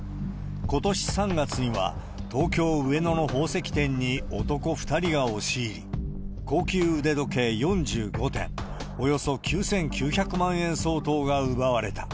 ことし３月には、東京・上野の宝石店に男２人が押し入り、高級腕時計４５点、およそ９９００万円相当が奪われた。